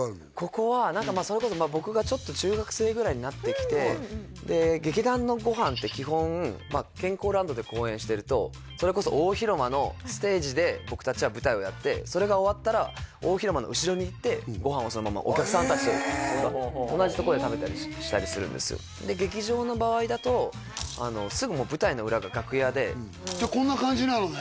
ここはそれこそ僕が中学生ぐらいになってきて劇団のご飯って基本健康ランドで公演してるとそれこそ大広間のステージで僕達は舞台をやってそれが終わったら大広間の後ろに行ってご飯をそのままお客さん達と同じところで食べたりしたりするんですよで劇場の場合だとすぐ舞台の裏が楽屋でじゃあこんな感じなのね